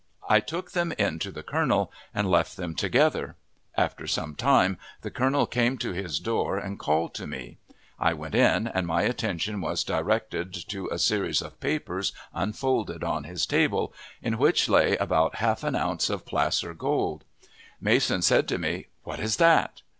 I took them in to the colonel, and left them together. After some time the colonel came to his door and called to me. I went in, and my attention was directed to a series of papers unfolded on his table, in which lay about half an ounce of placer gold. Mason said to me, "What is that?"